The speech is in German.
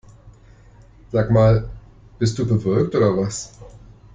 Sag mal, bist du bewölkt oder was?